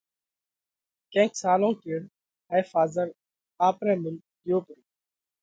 ڪينڪ سالون ڪيڙ هائي ڦازر آپرئہ مُلڪ ڳيو پرو،